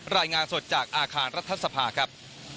รายงานสดจากอาคารรัฐสภาครับ